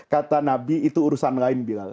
kata nabi itu urusan lain bilal